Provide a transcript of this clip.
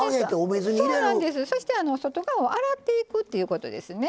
そして外側を洗っていくっていうことですね。